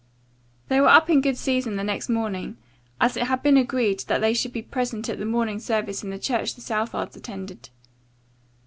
They were up in good season the next morning, as it had been agreed that they should be present at the morning service in the church the Southards attended.